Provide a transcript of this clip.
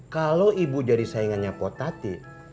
kalau ibu jadi saingannya potati